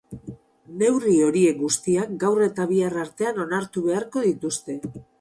Neurri horiek guztiak gaur eta bihar artean onartu beharko dituzte.